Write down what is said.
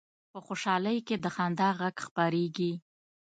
په خوشحالۍ کې د خندا غږ خپرېږي